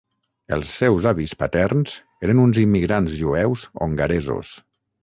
Els seus avis paterns eren uns immigrants jueus hongaresos.